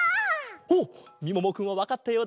おっみももくんはわかったようだぞ！